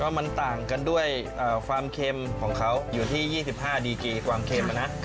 มันต่างกันด้วยความเค็มของเขาอยู่ที่๒๕ดีกีความเค็มนะ